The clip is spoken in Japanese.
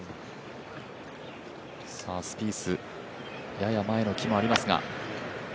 スピース、やや前の木もありますが。